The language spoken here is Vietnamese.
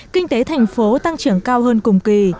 kinh tế thành phố tăng trưởng cao hơn cùng kỳ